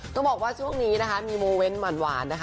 ต้องบอกว่าช่วงนี้นะคะมีโมเมนต์หวานนะคะ